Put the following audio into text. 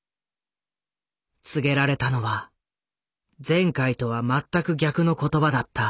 告げられたのは前回とは全く逆の言葉だった。